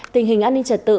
tình hình an ninh trật tự